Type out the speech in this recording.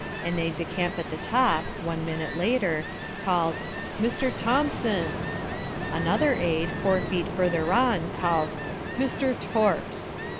An aide de camp at the top (one minute later) calls "Mr. Thompson"; another aide, four feet further on, calls "Mr. Torps."